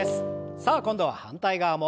さあ今度は反対側も。